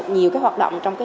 nhiều hoạt động trong sân bay